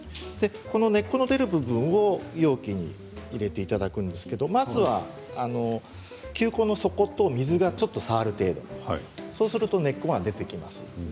根っこの出る部分を容器に入れていただいてまずは球根の底と水が少し変わる程度、そうすると根っこが出てきます。